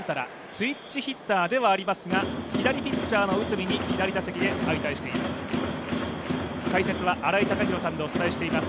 スイッチヒッターではありますが、左ピッチャーの内海に左打席で相対しています。